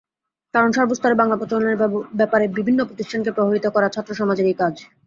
কারণ, সর্বস্তরে বাংলা প্রচলনের ব্যাপারে বিভিন্ন প্রতিষ্ঠানকে প্রভাবিত করা ছাত্রসমাজেরই কাজ।